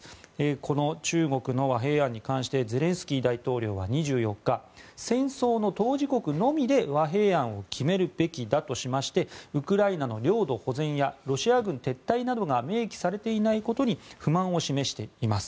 この中国の和平案に関してゼレンスキー大統領は２４日戦争の当事国のみで和平案を決めるべきだとしましてウクライナの領土保全やロシア軍撤退などが明記されていないことに不満を示しています。